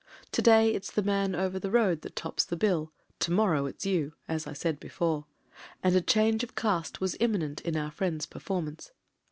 To day it's the man over the road that tops the bill ; to morrow it's you, as I said before : and a change of caste was imminent in our friend's per formance.